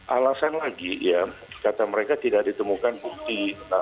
alasan lagi ya kata mereka tidak ditemukan bukti